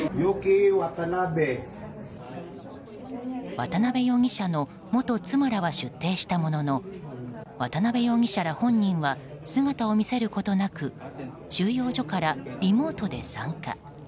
渡辺容疑者の元妻らは出廷したものの渡辺容疑者ら本人は姿を見せることなく収容所からリモートで参加。